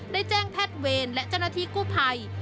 ได้แจ้งแพทย์เวรและจนาทีกู้ภัย